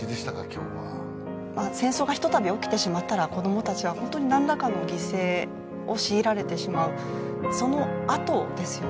今日は戦争がひとたび起きてしまったら子どもたちは本当に何らかの犠牲を強いられてしまうそのあとですよね